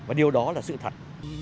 và điều đó là sự thật